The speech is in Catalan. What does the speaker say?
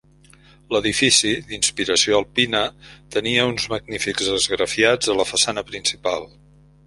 L'edifici, d'inspiració alpina, tenia uns magnífics esgrafiats a la façana principal.